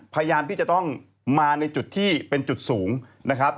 พยายามที่จะต้องมาในจุดที่เป็นจุดสูงนะครับ